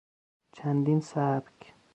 چندین سبک